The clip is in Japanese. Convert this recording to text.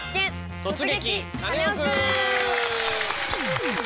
「突撃！